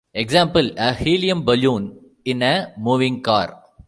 Example: A helium balloon in a moving car.